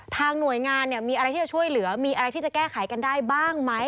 หน่วยงานมีอะไรที่จะช่วยเหลือมีอะไรที่จะแก้ไขกันได้บ้างไหม